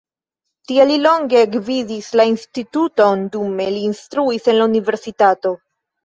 Tie li longe gvidis la instituton, dume li instruis en la universitato.